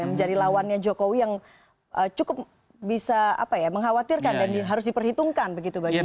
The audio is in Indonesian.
menjadi lawannya jokowi yang cukup bisa mengkhawatirkan dan harus diperhitungkan begitu bagi